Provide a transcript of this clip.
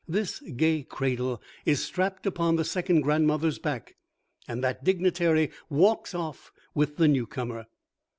This gay cradle is strapped upon the second grandmother's back, and that dignitary walks off with the newcomer.